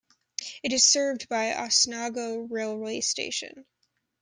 It is served by Osnago railway station.